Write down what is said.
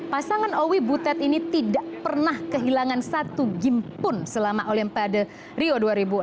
pasangan owi butet ini tidak pernah kehilangan satu game pun selama olimpiade rio dua ribu enam belas